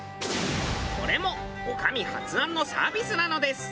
これも女将発案のサービスなのです。